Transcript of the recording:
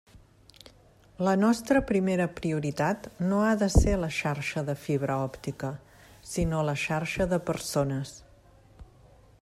La nostra primera prioritat no ha de ser la xarxa de fibra òptica, sinó la xarxa de persones.